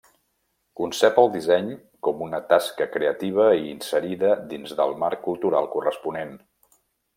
Concep el disseny com una tasca creativa i inserida dins del marc cultural corresponent.